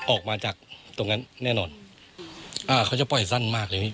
ออกมาจากตรงนั้นแน่นอนอ่าเขาจะปล่อยสั้นมากเลยพี่